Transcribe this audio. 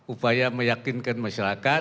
upaya meyakinkan masyarakat